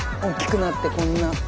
大きくなってこんな。